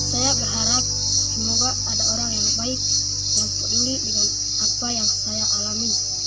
saya berharap semoga ada orang yang baik yang peduli dengan apa yang saya alami